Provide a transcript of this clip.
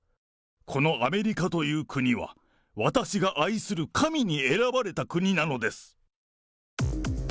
このアメリカという国は、私が愛する神に選ばれた国なのです。